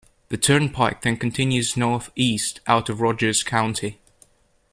The turnpike then continues northeast out of Rogers County.